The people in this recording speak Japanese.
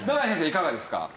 いかがですか？